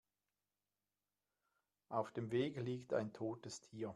Auf dem Weg liegt ein totes Tier.